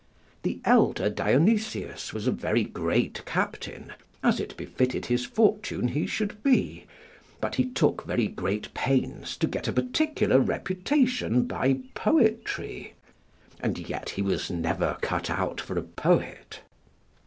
The elder Dionysius was a very great captain, as it befitted his fortune he should be; but he took very great pains to get a particular reputation by poetry, and yet he was never cut out for a poet.